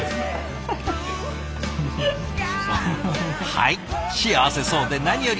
はい幸せそうで何より！